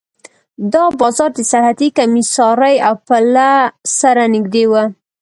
دا بازار د سرحدي کمېسارۍ او پله سره نږدې و.